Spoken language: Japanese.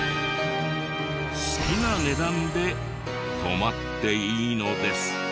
好きな値段で泊まっていいのです。